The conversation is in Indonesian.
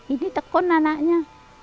ini tekun anaknya